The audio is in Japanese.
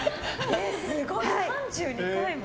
すごい、３２回も。